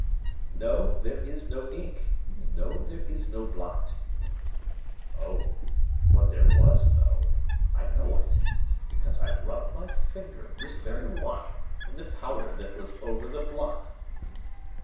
"No, there is no ink; no, there is no blot." "Oh! but there was, though; I know it, because I rubbed my finger this very one in the powder that was over the blot."